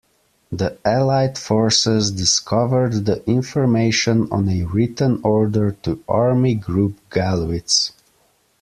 The Allied forces discovered the information on a written order to Army Group Gallwitz.